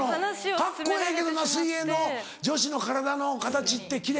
カッコええけどな水泳の女子の体の形って奇麗。